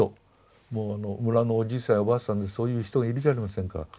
もう村のおじいさんやおばあさんにそういう人がいるじゃありませんか。